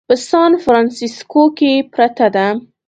په سان فرانسیسکو کې پرته ده.